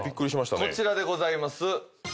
こちらでございます。